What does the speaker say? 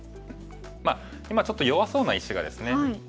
まあ今ちょっと弱そうな石がですね。